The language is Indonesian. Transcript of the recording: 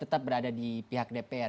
tetap berada di pihak dpr